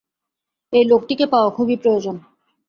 এই লোকটিকে পাওয়া খুবই প্রয়োজন।